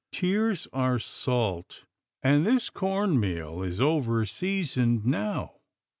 Tears are salt, and this corn meal is overseasoned now."